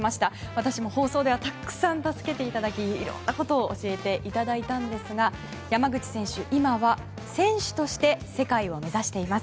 私も放送ではたくさん助けていただきいろんなことを教えていただいたんですが山口選手、今は選手として世界を目指しています。